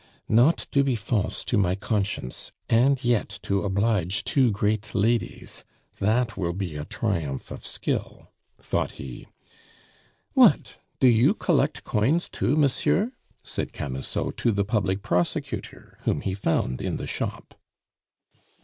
"Not to be false to my conscience, and yet to oblige two great ladies that will be a triumph of skill," thought he. "What, do you collect coins too, monsieur?" said Camusot to the Public Prosecutor, whom he found in the shop.